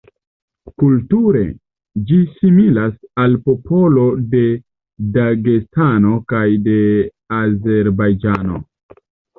Kulture, ĝi similas al popolo de Dagestano kaj de Azerbajĝano.